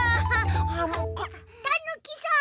たぬきさん！